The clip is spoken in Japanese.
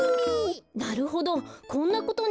なるほどこんなことに。